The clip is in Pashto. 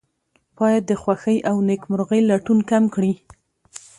باید د خوښۍ او نیکمرغۍ لټون کم کړي.